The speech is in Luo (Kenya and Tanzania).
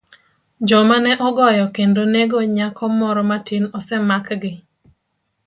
Joma ne ogoyo kendo nego nyako moro matin osemakgi